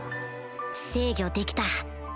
制御できた